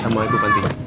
sama ibu panti